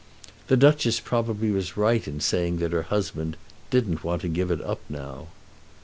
The Duchess probably was right in saying that her husband "didn't want to give it up now."